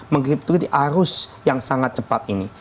mengkriptui arus yang sangat cepat ini